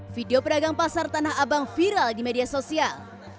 video pedagang pasar tanah abang viral di media sosial